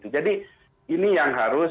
jadi ini yang harus